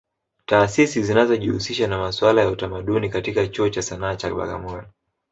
Taasisi zinazojihusisha na masuala ya utamadini kama Chuo cha Sana cha Bagamoyo